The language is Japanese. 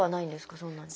そんなに。